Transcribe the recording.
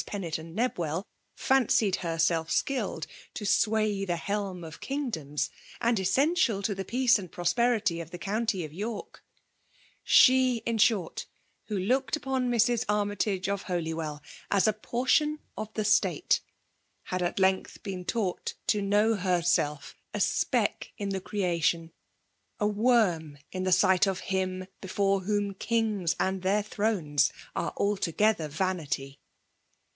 Pennett and Nebwell, fancied her self skilled to sway the helm of kingdoms, and essential to the peace and prosperity of the county of York, — she, in short, who looked upon Mrs. Armytage of Holywell as a portion of the state, — had at length been taught to know herself a speck in the creation, — a worm in the sight of Him before whom kings on their thrones axe *' altogether vanity.'